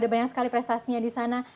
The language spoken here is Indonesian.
ada banyak sekali prestasinya di sana